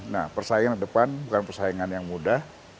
nah persaingan ke depan bukan persaingan yang mudah